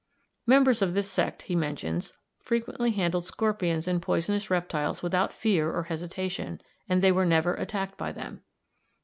Members of this sect, he mentions, frequently handled scorpions and poisonous reptiles without fear or hesitation, and they were never attacked by them.